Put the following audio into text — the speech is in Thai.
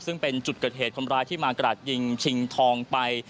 ซึ่งเป็นจุดเกิดเหตุคนร้ายที่มากราดยิงชิงทองไป